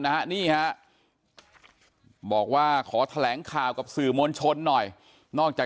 ให้มาเคลียร์